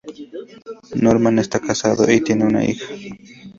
Norman está casado y tiene una hija.